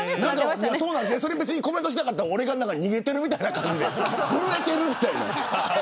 別にコメントしなかったら俺が逃げてるみたいな感じに震えてるみたいな。